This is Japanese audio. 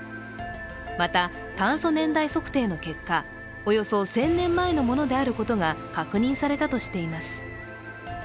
また、炭素年代測定の結果およそ１０００年前のことであることが確認されたとしています。